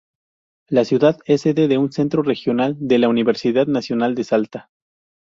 La ciudad es sede de un centro regional de la Universidad Nacional de Salta.